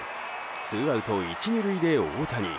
ツーアウト１、２塁で大谷。